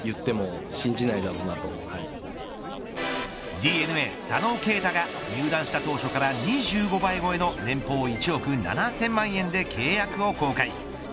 ＤｅＮＡ佐野惠太が入団した当初から２５倍超えの年棒を１億７０００万円で契約を更改。